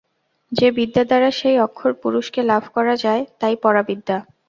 যে বিদ্যা দ্বারা সেই অক্ষর পুরুষকে লাভ করা যায়, তাই পরা বিদ্যা।